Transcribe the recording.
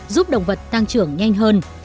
giúp động vật tăng trưởng nhanh hơn